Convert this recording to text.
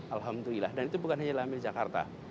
alhamdulillah dan itu bukan hanya yang di jakarta